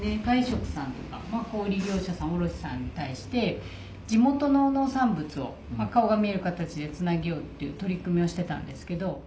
外食さんとか小売業者さん卸さんに対して地元の農産物を顔が見える形で繋げようっていう取り組みをしてたんですけど。